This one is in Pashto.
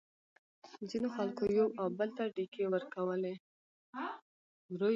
ځینو خلکو یو او بل ته ډیکې ورکولې.